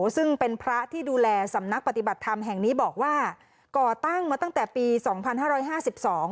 ซึ่งเป็นพระที่ดูแลสำนักปฏิบัติธรรมแห่งนี้บอกว่าก่อตั้งมาตั้งแต่ปีสองพันห้าร้อยห้าสิบสอง